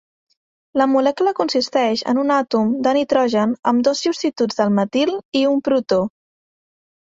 La molècula consisteix en un àtom de nitrogen amb dos substituts del metil i un protó.